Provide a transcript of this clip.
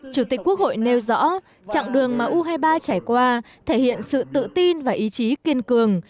chủ tịch quốc hội nêu rõ chặng đường mà u hai mươi ba trải qua thể hiện sự tự tin và ý chí kiên cường